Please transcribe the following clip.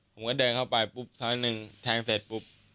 ผมก็เดินเข้าไปปุ๊บสักหนึ่งแทงเสร็จปุ๊บ